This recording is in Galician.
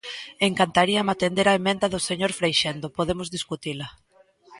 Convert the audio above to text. Encantaríame atender a emenda do señor Freixendo, podemos discutila.